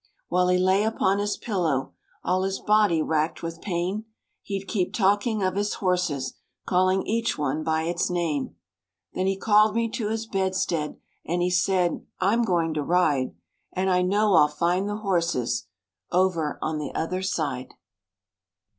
While he lay upon his pillow, All his body racked with pain, He'd keep talking of his horses, Calling each one by its name. Then he called me to his bedside, And he said, "I'm going to ride, And I know I'll find the horses Over on the other side."